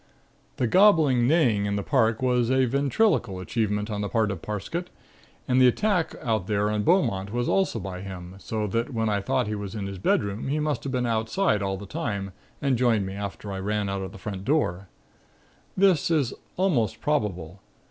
"The gobbling neighing in the park was a ventriloquial achievement on the part of Parsket and the attack out there on Beaumont was also by him, so that when I thought he was in his bedroom, he must have been outside all the time and joined me after I ran out of the front door. This is almost probable.